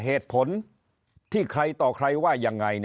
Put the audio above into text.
เหตุผลที่ใครต่อใครว่ายังไง